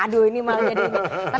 aduh ini malah jadi